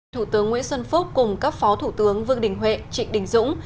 thủ tướng nguyễn xuân phúc cùng các phó thủ tướng vương đình huệ trịnh đình dũng